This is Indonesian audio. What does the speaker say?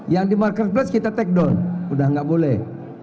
yang di marketplace kita take down udah nggak boleh